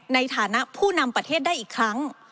ในฐานะผู้นำประเทศได้อีกครั้ง